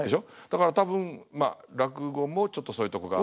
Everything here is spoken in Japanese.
だから多分まあ落語もちょっとそういうとこが。